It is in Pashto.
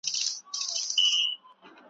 کيدای سي ستا نظر له نورو سره توپیر ولري.